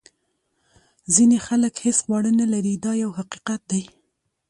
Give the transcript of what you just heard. ځینې خلک هیڅ خواړه نه لري دا یو حقیقت دی.